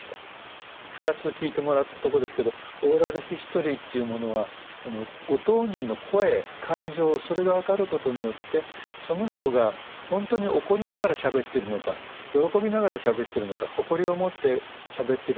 ２つ聞いてもらったとこですけどオーラルヒストリーっていうものはご当人の声感情それが分かることによってその人が本当に怒りながらしゃべってるのか喜びながらしゃべってるのか誇りを持ってしゃべってるのか。